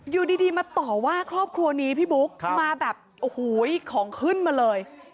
อยู่ดีมาต่อว่าครอบครัวนี้พี่บุ๊คมาแบบโอ้โหของขึ้นมาเลย